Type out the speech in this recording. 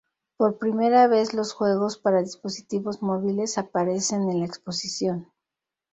Por primera vez los juegos para dispositivos móviles aparecen en la exposición.